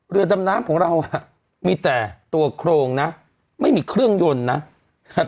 เรือดำน้ำของเรามีแต่ตัวโครงนะไม่มีเครื่องยนต์นะครับ